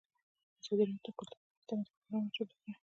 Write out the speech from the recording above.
ازادي راډیو د کلتور پر اړه مستند خپرونه چمتو کړې.